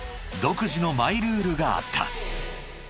独自のマイルールがあった］